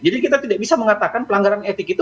jadi kita tidak bisa mengatakan pelanggaran etik itu